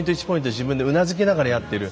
自分でうなずきながらやっている。